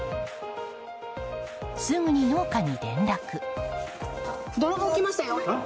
すぐに農家に連絡。